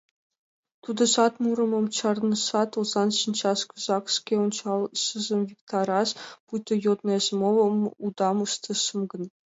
— Мый ожно годым пеш кертам ыле.